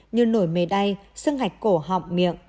như nổi mề đay sưng hạch cổ họng miệng